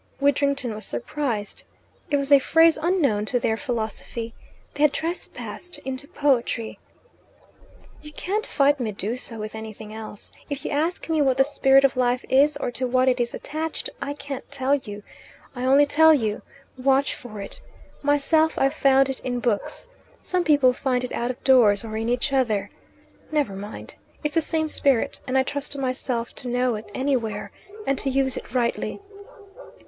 Widdrington was surprised. It was a phrase unknown to their philosophy. They had trespassed into poetry. "You can't fight Medusa with anything else. If you ask me what the Spirit of Life is, or to what it is attached, I can't tell you. I only tell you, watch for it. Myself I've found it in books. Some people find it out of doors or in each other. Never mind. It's the same spirit, and I trust myself to know it anywhere, and to use it rightly."